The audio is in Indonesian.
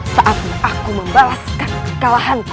saatnya aku membalaskan kekalahanku